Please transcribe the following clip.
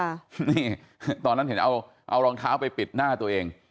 นี่ตอนนั้นเห็นเอารองเท้าไปปิดหน้าตัวเอง